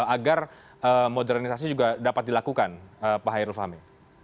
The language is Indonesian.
agar modernisasi juga dapat dilakukan pak hairul fahmi